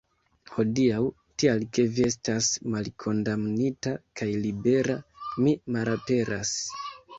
Hodiaŭ, tial ke vi estas malkondamnita kaj libera, mi malaperas.